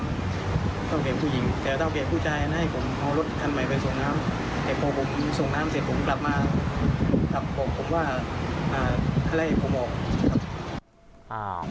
แต่พอผมส่งน้ำเสร็จผมกลับมาครับบอกว่าเขาไล่ผมออก